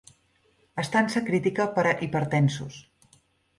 Estança crítica per a hipertensos.